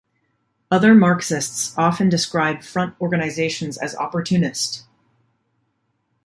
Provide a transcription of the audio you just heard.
Other Marxists often describe front organizations as opportunist.